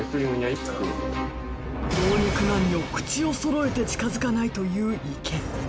老若男女口をそろえて近づかないという池。